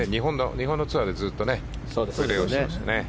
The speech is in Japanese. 日本のツアーでずっとプレーをしていましたね。